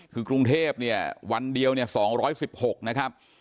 คือกรุงเทพฯวันเดียว๒๑๖นะครับ